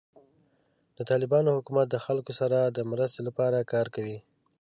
د طالبانو حکومت د خلکو سره د مرستې لپاره کار کوي.